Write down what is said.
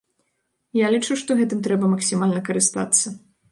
Я лічу, што гэтым трэба максімальна карыстацца.